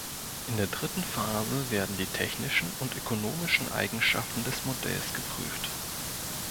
In der dritten Phase werden die technischen und ökonomischen Eigenschaften des Models geprüft.